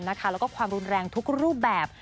แล้วก็ความรุนแรงทุกรูปแบบ